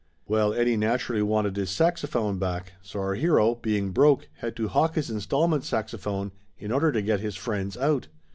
Well, Eddie naturally wanted his saxophone back, so our hero, being broke, had to hock his installment saxophone in order to get his friend's out.